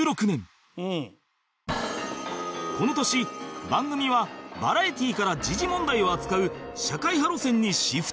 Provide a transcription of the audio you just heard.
この年番組はバラエティから時事問題を扱う社会派路線にシフトチェンジ